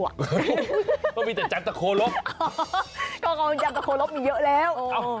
ก็มีแต่จับตะโคลบมีเยอะแล้ว